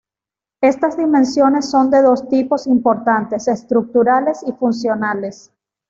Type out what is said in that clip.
Estas dimensiones son de dos tipos importantes: estructurales y funcionales.